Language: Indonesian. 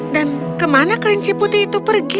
dan kemana kelinci putih itu pergi